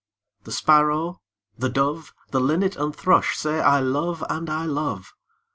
The Sparrow, the Dove, The Linnet and Thrush say, 'I love and I love!'